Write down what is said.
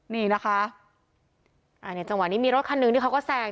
นี่นะคะอ่าเนี่ยจังหวะนี้มีรถคันหนึ่งที่เขาก็แซง